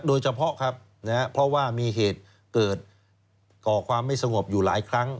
โดยเฉพาะครับเพราะว่ามีเหตุเกิดก่อความไม่สงบอยู่หลายครั้ง